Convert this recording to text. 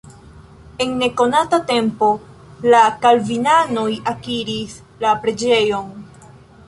En nekonata tempo la kalvinanoj akiris la preĝejon.